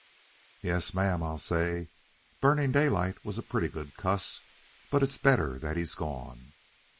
"'Yes, ma'am,' I'll say, 'Burning Daylight was a pretty good cuss, but it's better that he's gone.